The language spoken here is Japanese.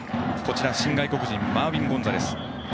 新外国人のマーウィン・ゴンザレス。